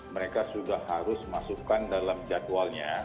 mereka sudah harus masukkan dalam jadwalnya